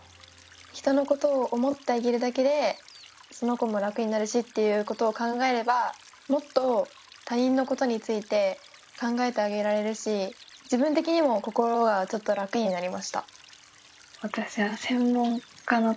人のことを思ってあげるだけでその子も楽になるしっていうことを考えればもっと他人のことについて考えてあげられるし自分的にも心がちょっと楽になりました。